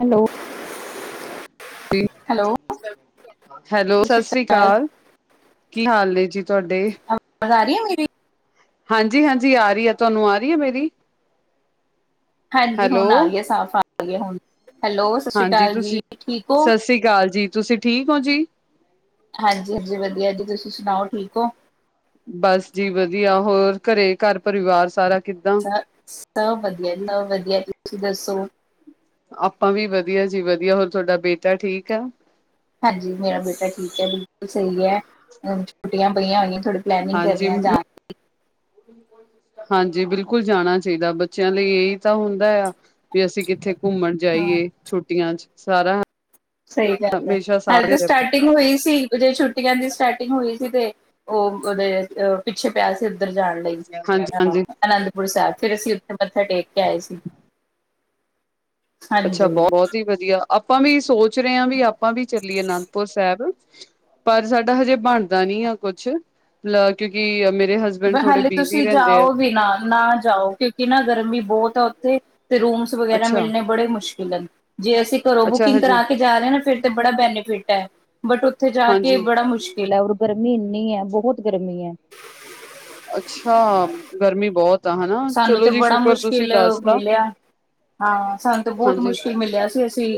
Hello hello hello ਸਤਿ ਸ਼੍ਰੀ ਸਸ ਰੀ ਅਕਾਲ ਕਾਲ, ਕੀ ਹਾਲ ਜੀ ਤੁਹਾਡੇ? ਇਹ ਮੇਰੀ ਹਾਂਜੀ -ਹਾਂਜੀ ਆ ਰਹੀ ਹੈ, ਤੁਹਾਨੂੰ ਆ ਰਹੀ ਹੈ ਮੇਰੀ। ਹਾਂਜੀ ਹੈਲੋ ਹੁਣ ਆਰੀ ਐ ਸਾਫ਼ ਆ ਆ ਰਈ ਐ ਹੁਣ। ਹੈਲੋ ਸਤਿ ਸ਼੍ਰੀ ਹਾਂਜੀ ਅਕਾਲ ਜੀ ਤੁਸੀਂ ਠੀਕ ਹੋ ਸਸ ਰੀ ਕਾਲ ਜੀ, ਤੁਸੀਂ ਠੀਕ ਹੋ ਜੀ। ਹਾਂਜੀ -ਹਾਂਜੀ ਵਧੀਆ ਜੀ, ਤੁਸੀਂ ਸੁਣਾਓ ਠੀਕ ਹੋ। ਬਸ ਜੀ ਵਧੀਆ ਹੋਰ ਘਰੇ ਘਰ ਪਰਿਵਾਰ ਸਾਰਾ ਕਿੱਦਾਂ ਸ ਸਭ ਵਧੀਆ ਸਭ ਵਧੀਆ ਜੀ। ਤੁਸੀਂ ਦੱਸੋ? ਆਪਾਂ ਵੀ ਵਧੀਆ ਜੀ ਵਧੀਆ ਹੋਰ ਤੁਹਾਡਾ ਬੇਟਾ ਠੀਕ ਆ? ਹਾਂਜੀ ਮੇਰਾ ਬੇਟਾ ਠੀਕ ਹੈ ਬਿਲਕੁਲ ਸਹੀ ਹੈ। ਛੁੱਟੀਆਂ ਪਈਆ ਹੋਇਆਂ। ਥੋੜ੍ਹੀ ਪਲੈਨਿੰਗ ਕਰਦੇ ਹਾਂਜੀ ਆ ਜਾਣ ਹਾਂਜੀ ਬਿਲਕੁਲ ਜਾਣਾ ਚਾਹੀਦਾ ਬੱਚਿਆਂ ਲਈ ਇਹੀ ਤਾਂ ਹੁੰਦਾ ਆ ਵੀ ਅਸੀਂ ਕਿੱਥੇ। ਘੁੰਮਣ ਦੀ। ਹਾਂ ਜਾਈਏ ਛੁੱਟੀਆਂ ਚ। ਸਾਰਾ। ਸਹੀ ਗੱਲ ਹੈ ਹਮੇਸ਼ਾ ਹੱਲੇ ਤੇ ਸਾਰਿਆਂ ਸਟਾਰਟਿੰਗ ਹੋਈ ਸੀ ਛੁੱਟੀਆਂ ਦੀ ਸਟਾਰਟਿੰਗ ਹੋਈ ਸੀ ਤੇ ਉਹ ਉਹਦੇ ਅ ਪਿੱਛੇ ਪਿਆ ਸੀ। ਉੱਧਰ ਜਾਣ ਲਈ ਹਾਂਜੀ ਹਾਂ ਹਾਂਜੀ ਅਨੰਦਪੁਰ ਸਾਹਿਬ। ਫਿਰ ਅਸੀਂ ਉੱਥੇ ਮੱਥਾ ਟੇਕ ਕੇ ਆਏ ਸੀ। ਅੱਛਾ ਹਾਂਜੀ, ਬਹੁ ਬਹੁਤ ਹੀ ਵਧੀਆ। ਆਪਾਂ ਵੀ ਸੋ ਸਚ ਰਹੇ ਹਾਂ ਵੀ ਆਪਾਂ ਵੀ ਚੱਲੀਏ ਅਨੰਦਪੁਰ ਸਾਹਿਬ। ਪਰ ਸਾਡਾ ਹਜੇ ਬਣਦਾ ਨੀ ਆ ਕੁਛ ਲ ਕਿਉਂਕਿ ਮੇ ਪਰ ਹਾਲੇ ਤੁਸੀਂ ਜਾਓ ਵੀ ਨਾ ਨਾ ਜਾਓ ਕਿਉਂਕਿ ਨਾ ਗਰਮੀ ਬਹੁਤ ਆ ਓ ਤੇ। ਤੇ ਰੂਮਸ ਵਗੈਰਾ ਅੱਛਾ। ਮਿਲਣੇ ਬੜੇ ਮੁਸ਼ਕਿਲ ਹੈ ਜੇ ਅਸੀਂ ਘਰੋਂ ਅੱਛਾ ਬੁਕਿੰਗ ਹਜੇ ਕਰਾ ਕੇ ਜਾ ਰਹੇ ਹਾਂ ਨਾ ਫਿਰ ਤਾਂ ਬੜਾ ਬੈਨੀਫਿਟ ਹੈ। ਬਟ ਉੱਥੇ ਜਾ ਕੇ ਹਾਂਜੀ ਬੜਾ ਮੁਸ਼ਕਿਲ ਹੈ ਉੱਰ ਗਰ ਮੀ ਇੰਨੀ ਹੈ ਬਹੁਤ ਗਰਮੀ ਹੈ। ਅੱਛਾ ਗਰਮੀ। ਬਹੁਤ ਆ ਹਨਾ। ਸਾਨੂੰ ਚਲੋ ਤੇ ਜੀ ਬੜਾ ਸ਼ੁਕਰ ਤੁਸੀਂ ਮੁਸ਼ਕਿਲ ਦੱਸਤਾ ਮਿਲਿਆ ਹਾਂ ਸਾਨੂੰ ਤਾਂ ਬਹੁਤ ਹਾਂਜੀ ਮੁਸ਼ਕਿਲ ਮਿਲਿਆ ਸੀ ਅਸੀਂ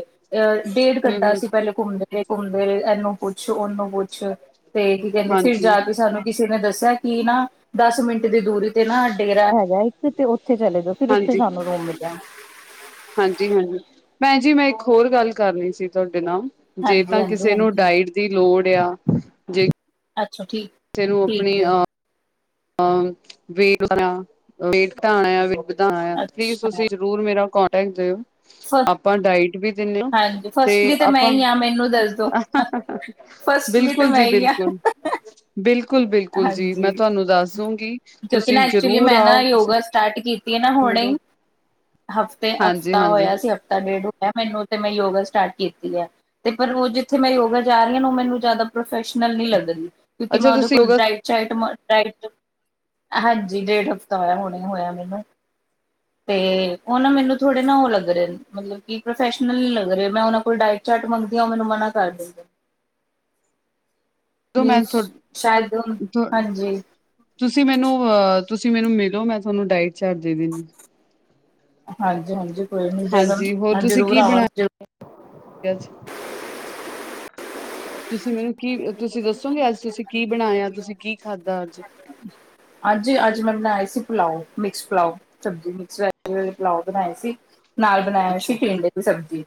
ਅਹ ਡੇਢ ਹੂੰ ਘੰਟਾ ਹੂੰ ਅਸੀਂ ਪਹਿਲੇ ਘੁੰਮਦੇ। ਘੁੰਮਦੇ ਰਹੇ ਘੁੰਮਦੇ ਰਹੇ ਇਹਨੂੰ ਪੁ ਛ ਉਹਨੂੰ ਕੁਛ ਤੇ ਕੀ ਕਹਿੰਦੇ ਫਿਰ ਹਾਂਜੀ। ਜਾ ਕੇ ਸਾਨੂੰ। ਕਿਸੇ ਨੇ ਦੱਸਿਆ ਕਿ ਨਾ ਦਸ ਮਿੰਟ। ਦੀ ਦੂਰੀ ਤੇ ਨਾ। ਡੇਰਾ ਹੈਗਾ ਏ ਤੇ ਉੱਥੇ। [unintelligible] ਉੱਥੇ ਚਲੇ ਜਾਓ ਫਿਰ ਉੱਥੇ ਹਾਂਜੀ ਸਾਨੂੰ ਰੂਮ ਮਿਲਿਆ। ਹਾਂਜੀ ਹਾਂਜੀ। ਭੈਣ ਜੀ ਮੈਂ ਇੱਕ ਹੋਰ ਗੱਲ ਕਰਨੀ ਸੀ ਤੁਹਾਡੇ ਨਾਲ। ਜੇ ਹਾਂਜੀ ਤਾਂ ਹਾਂਜੀ ਕਿਸੇ ਹਾਂਜੀ ਨੂੰ ਹਾਂਜੀ ਡਾਇਟ ਦੀ ਲੋੜ। [unintelligible] ਅੱਛਾ ਠੀਕ ਕਿਸੇ ਨੂੰ ਠੀਕ ਆਪਣੀ ਹੈ। ਅ ਵੇ ਵੇਟ ਆਣਾ। ਦਾਂ ਠੀਕ ਅੱਛਾ ਤੁਸੀਂ ਜ਼ਰੂਰ ਮੇਰਾ ਕੌ ਟੈਕ ਜਾਇਓ। ਫ ਆਪਾਂ ਡਾਇਟ ਵੀ ਦਿੰਦੇ ਹ ਹਾਂਜੀ ਤੇ ਫਸਟਲੀ ਮੈਂ ਆਪਾਂ ਹੀ ਹਾਂ ਮੈਨੂੰ ਦੱਸ ਦੋ ਫਸਟਲੀ ਤੇ ਬਿਲਕੁਲ ਮੈਂ ਜੀ। ਹੀ ਹਾਂ ਬਿਲਕੁਲ--ਬਿਲਕੁਲ। ਬਿਲਕੁਲ, ਬਿਲਕੁਲ ਜੀ। ਮੈਂ ਹਾਂਜੀ ਤੁਹਾਨੂੰ ਦੱਸ ਕਿਉਂਕਿ ਤੁਸੀਂ ਨਾ ਐਕਚੁਲੀ ਜ਼ਰੂਰ ਮੈਂ ਨਾ ਆਓ ਤੁਸੀਂ ਯੋਗਾ ਸਟਾਰਟ ਕੀ ਨਾ ਹੁਣੇ ਮਿਲੋ ਹਫ਼ਤੇ ਹਾਂਜੀ ਹਫ਼ਤਾ ਹਾਂਜੀ ਹੋਇਆ ਸੀ ਹਫ਼ਤਾ ਡੇਢ ਹੋਇਆ ਮੈਨੂੰ ਮੈਂ ਯੋਗਾ ਸਟਾਰਟ ਕੀਤੀ ਹੈ ।ਤੇ ਪਰ ਉਹ ਜਿੱਥੇ ਮੈਂ ਯੋਗਾ ਜਾ ਰਹੀ ਹਾਂ ਉਹ ਮੈਨੂੰ ਜ਼ਿਆਦਾ ਫੈਲ ਨਹੀਂ ਲੱਗਦੀ ਕਿਉਂਕਿ ਮੈਂ ਅੱਛਾ ਉਹਦੇ ਤੁਸੀਂ ਕੋਲ ਯੋਗਾ ਦੀਏਤਵਤ ਹਾਂਜੀ ਡੇ ਹਫਤਾ ਹੋ ਹ ਹੋ ਮਨ ਤੇ ਨਾ ਮੈਨੂੰ ਥੋੜ ਨਾ ਲਗ ਰ ਮਲਬ ਪ੍ਰੋਫਲ ਲਗ ਰ ਮ ਓ ਕੋਲ ਡ ਚਟ ਮੰਗਦੀ ਮਨ ਮ ਕਰ ਦੇਂਦੇ ਨ। ਮੈਂ ਸ਼ਾਇਦ ਹਾਂਜੀ। ਤੁਸੀਂ ਮੈਨੂੰ ਅਹ ਤੁਸੀਂ ਮੈਨੂੰ ਮਿਲੋ ਮੈਂ ਤੁਹਾਨੂੰ ਡਾਇਟ ਚਾਰਟ ਦੇ ਦਿੰਦੀ ਹਾਂਜੀ, ਹਾਂਜੀ ।ਕੋਈ ਨੀ ਜ ਹਾਂਜੀ ਹੋਰ ਤੁਸੀਂ ਜ਼ਰੂਰ ਕੀ ਆਵ ਬਣਾਇਆ ਅੱਜ ਤੁਸੀਂ ਮੈਨੂੰ ਕੀ ਤੁਸੀਂ ਦੱਸੋਗੇ ਅੱਜ ਤੁਸੀਂ ਕੀ ਬਣਾਇਆ ਤੁਸੀਂ ਕੀ ਖਾਧਾ ਅੱਜ ਅੱਜ, ਅੱਜ ਮੈਨ ਆਏ ਸੀ ਪਲਾਓ ਮਿਕਸ ਪਲਾਓ ਸਬਜ਼ੀ ਮਿਕਸ ਵੈ। ਲਾਓ ਬਣਾਏ ਸੀ ਨਾਲ ਬਣਾਇਆ ਸੀ ਅੱਛਾ ਪੀਂਡ ਦੀ ਸਬਜ਼ੀ।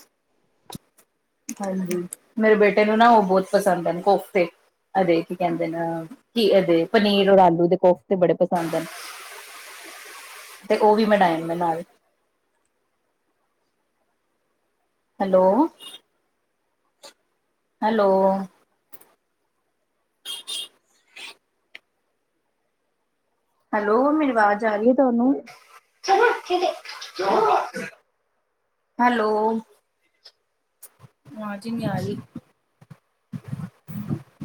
[unintelligible] ਹਾਂਜੀ ।ਮੇਰੇ ਬੇਟੇ ਨੂੰ ਨਾ ਉਹ ਬਹੁਤ ਪਸੰਦ ਹਨ ਕੋਫਤੇ ਅ ਕੀ ਕਹਿੰਦੇ ਨਾ ਕੀਦੇ ਪਨੀਰ ਰ ਆਲੂ ਦੇ ਕੋਫਤੇ ਬੜੇ ਪਸੰਦ ਹਨ ਤੇ ਉਹ ਵੀ ਮ ਡਏ ਨਾਲ ਹੈਲੋ। ਹੈਲੋ। ਹੈਲੋ ਮੇਰੀ ਅ ਆਵਾਜ਼ ਆ ਰਹੀ ਹੈ ਤੁਹਾਨੂੰ--ਹੈਲੋ ਅਵਾਜ ਨਈ ਆ ਰੇਇ ।